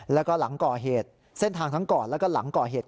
แล้วก็เส้นทางทั้งก่อนแล้วก็หลังก่อเหตุ